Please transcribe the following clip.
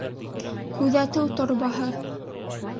«КҮҘӘТЕҮ ТОРБАҺЫ»